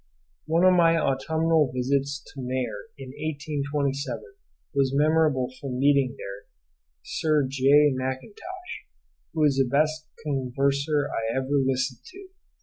One of my autumnal visits to Maer in 1827 was memorable from meeting there Sir J. Mackintosh, who was the best converser I ever listened to.